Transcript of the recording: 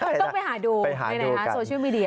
ต้องไปหาดูในไหนฮะโซเชียลมีเดีย